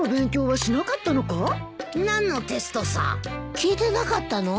聞いてなかったの？